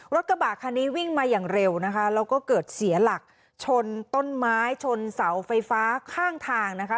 รถกระบะคันนี้วิ่งมาอย่างเร็วนะคะแล้วก็เกิดเสียหลักชนต้นไม้ชนเสาไฟฟ้าข้างทางนะคะ